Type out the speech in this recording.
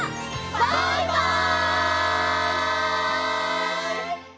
バイバイ！